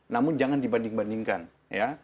namun jangan dibanding bandingkan ya